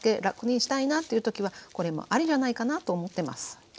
楽にしたいなという時はこれもありじゃないかなと思ってます。